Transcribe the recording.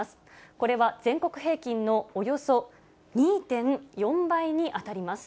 これは全国平均のおよそ２．４倍に当たります。